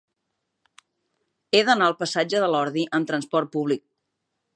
He d'anar al passatge de l'Ordi amb trasport públic.